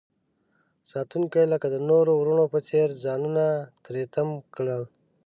ساتونکي لکه د نورو ورونو په څیر ځانونه تری تم کړل.